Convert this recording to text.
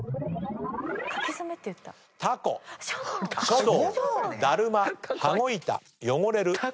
書道だるま羽子板汚れるパスタ。